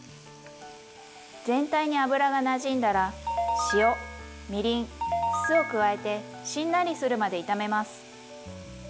全体に油がなじんだら塩みりん酢を加えてしんなりするまで炒めます。